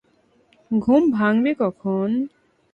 ঘুম ভাঙবে কখন?